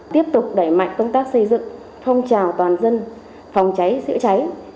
tiếp tục đẩy mạnh công tác xây dựng phong trào toàn dân phòng cháy chữa cháy